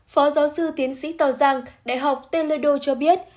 phó giáo sư tiến sĩ tàu giang đại học teledo cho biết